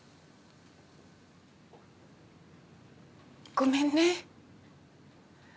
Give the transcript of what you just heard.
ごめんね。